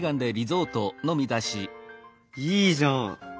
いいじゃん。